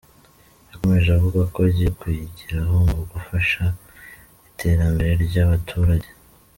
Yakomeje avuga ko agiye kuyigiraho mu gufasha iterambere ry’abaturage.